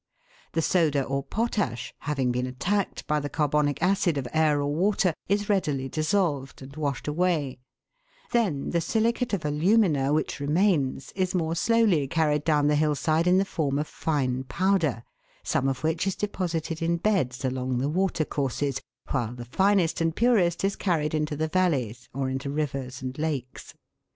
The soda or potash, having been attacked by the carbonic acid of air or water, is readily dissolved and washed away ; then the silicate of alumina which remains is more slowly carried down the hill side in the form of fine powder, some of which is deposited in beds along the watercourses, while the finest and purest is carried into the valleys, or into rivers and lakes.